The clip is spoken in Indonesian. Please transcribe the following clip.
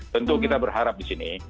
tentu kita berharap di sini